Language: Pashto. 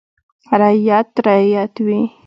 • رعیت رعیت وي.